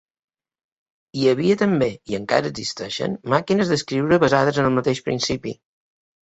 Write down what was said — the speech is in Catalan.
Hi havia també, i encara existeixen, màquines d'escriure basades en el mateix principi.